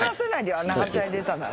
あんなはしゃいでたなら。